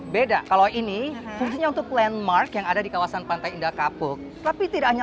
beda kalau ini fungsinya untuk landmark yang ada di kawasan pantai indah kapuk tapi tidak hanya